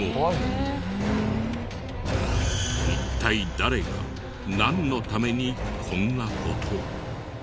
一体誰がなんのためにこんな事を。